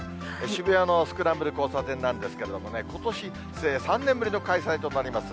渋谷のスクランブル交差点なんですけれどもね、ことし、３年ぶりの開催となります。